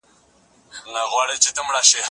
زه د لوبو لپاره وخت نيولی دی.